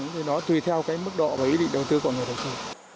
thì nó tùy theo cái mức độ và ý định đầu tư của người đầu tư